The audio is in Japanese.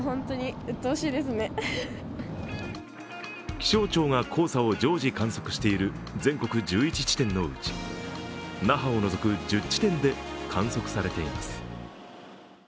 気象庁が黄砂を常時観測している全国１１地点のうち那覇を除く１０地点で観測されています。